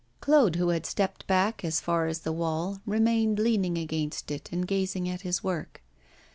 Claude, who had stepped back as far as the wall, remained leaning against it, and gazing at his work.